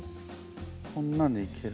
こんなんでいける？